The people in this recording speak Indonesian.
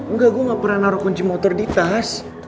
enggak gue gak pernah naruh kunci motor di tas